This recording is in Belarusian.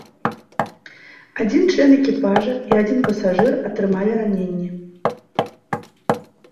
Адзін член экіпажа і адзін пасажыр атрымалі раненні.